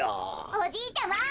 おじいちゃま。